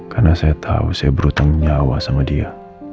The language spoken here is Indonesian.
karena saya tahu saya berhutang nyawa sama dia